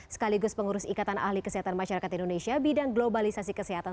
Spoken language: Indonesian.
sekaligus pengurus ikatan ahli kesehatan masyarakat indonesia bidang globalisasi kesehatan